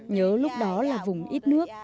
nhớ lúc đó là vùng ít nước